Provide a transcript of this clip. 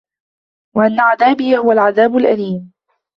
وأن عذابي هو العذاب الأليم